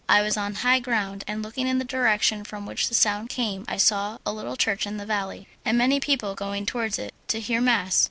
I was on high ground, and looking in the direction from which the sound came I saw a little church in the valley, and many, people going towards it to hear mass.